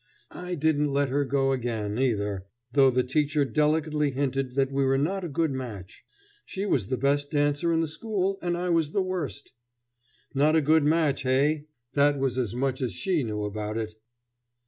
I didn't let her go again, either, though the teacher delicately hinted that we were not a good match. She was the best dancer in the school, and I was the worst. Not a good match, hey! That was as much as she knew about it.